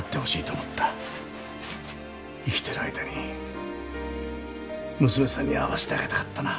生きてる間に娘さんに会わしてあげたかったな。